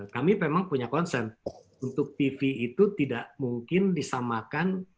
kami memang punya concern untuk tv itu tidak mungkin disamakan